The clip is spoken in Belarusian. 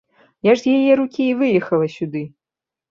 Я ж з яе рукі і выехала сюды.